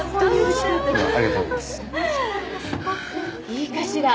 いいかしら？